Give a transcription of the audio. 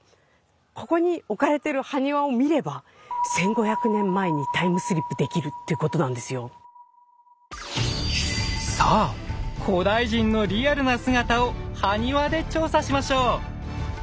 ここに置かれてる埴輪を見ればさあ古代人のリアルな姿を埴輪で調査しましょう！